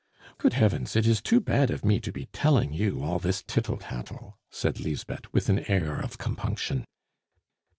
"Good heavens! It is too bad of me to be telling you all this tittle tattle," said Lisbeth, with an air of compunction.